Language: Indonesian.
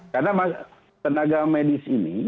karena tenaga medis ini